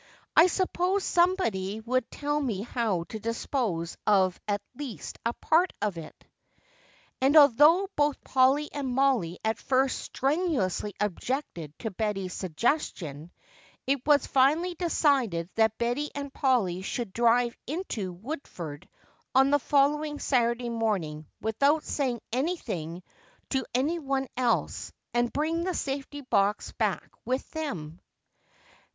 I suppose somebody would tell me how to dispose of at least a part of it." And although both Polly and Mollie at first strenuously objected to Betty's suggestion, it was finally decided that Betty and Polly should drive into Woodford on the following Saturday morning without saying anything to any one else and bring the safety box back with them.